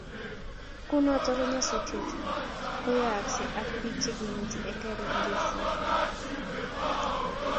kunoto ko nyasusiet koyayasgei ak biik chegimuti eng karit ngesiir